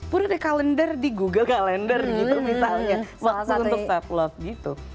pun ada calendar di google calendar gitu misalnya waktu untuk self love gitu